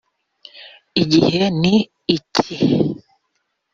‘Igihe ni iki